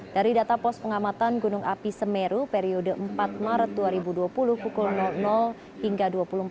dari data pos pengamatan gunung api semeru periode empat maret dua ribu dua puluh pukul hingga dua puluh empat